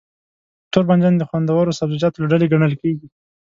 توربانجان د خوندورو سبزيجاتو له ډلې ګڼل کېږي.